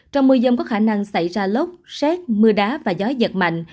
trong mưa dông có khả năng xảy ra lốc xét mưa đá và gió giật mạnh